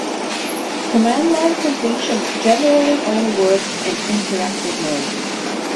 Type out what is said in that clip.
Command-line completion generally only works in interactive mode.